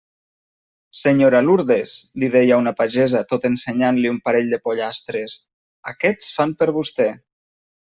«Senyora Lourdes», li deia una pagesa tot ensenyant-li un parell de pollastres, «aquests fan per vostè».